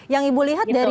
yang ibu lihat dari